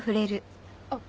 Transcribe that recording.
あっ。